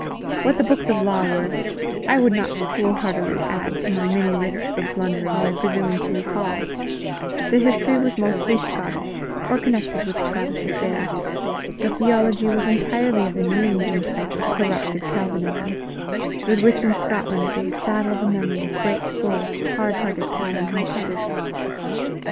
What the books of law were, I would not foolhardily add to my many risks of blundering by presuming to recall; the history was mostly Scotish, or connected with Scotish affairs; the theology was entirely of the New England type of corrupted Calvinism, with which in Scotland they saddle the memory of great souled, hard hearted Calvin himself.